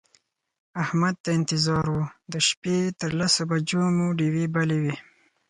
احمد ته انتظار و د شپې تر لسو بجو مو ډېوې بلې وې.